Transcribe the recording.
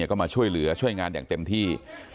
ก็มาช่วยเหลือช่วยงานอย่างเต็มที่